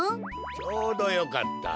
ちょうどよかった。